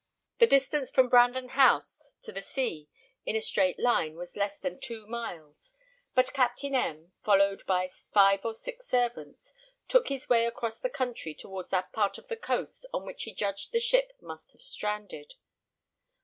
The distance from Brandon house to the sea, in a straight line, was less than two miles; but Captain M , followed by five or six servants, took his way across the country towards that part of the coast on which he judged the ship must have stranded.